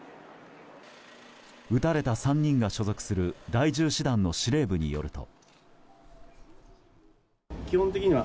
撃たれた３人が所属する第１０師団の司令部によると。